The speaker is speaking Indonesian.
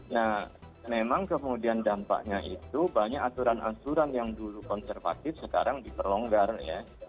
nah memang kemudian dampaknya itu banyak aturan aturan yang dulu konservatif sekarang diperlonggar ya